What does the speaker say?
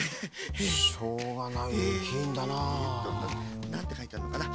しょうがないえきいんだなあ。なんてかいてあんのかな？